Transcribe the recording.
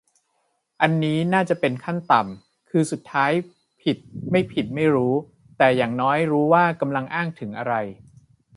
อันนี้น่าจะเป็นขั้นต่ำ คือสุดท้ายผิดไม่ผิดไม่รู้ แต่อย่างน้อยรู้ว่ากำลังอ้างถึงอะไร